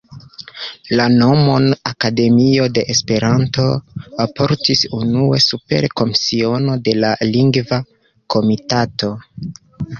La nomon "Akademio de Esperanto" portis unue supera komisiono de la Lingva Komitato.